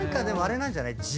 でもあれなんじゃない？